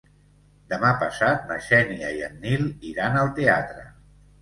Demà passat na Xènia i en Nil iran al teatre.